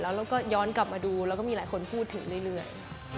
แล้วก็ย้อนกลับมาดูแล้วก็มีหลายคนพูดถึงเรื่อย